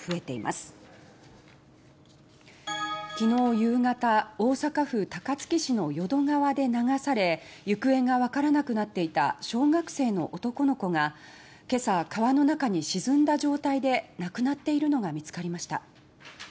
夕方大阪府高槻市の淀川で流され行方が分からなくなっていた小学生の男の子がけさ川の中に沈んだ状態で亡くなっているのが見つかりました。